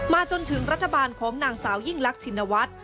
จนถึงรัฐบาลของนางสาวยิ่งลักชินวัฒน์